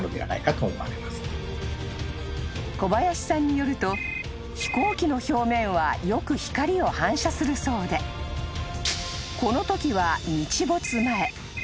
［小林さんによると飛行機の表面はよく光を反射するそうでこのときは日没前］